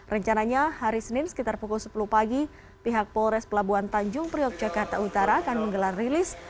rencananya hari senin sekitar pukul sepuluh pagi pihak polres pelabuhan tanjung priok jakarta utara akan menggelar rilis